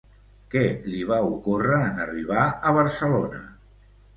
Què li va ocórrer en arribar a Barcelona?